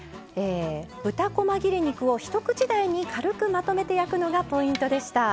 豚こま切れ肉を一口大に軽くまとめて焼くのがポイントでした。